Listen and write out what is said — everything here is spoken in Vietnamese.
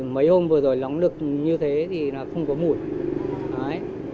mấy hôm vừa rồi lắng lực như thế thì không có mùi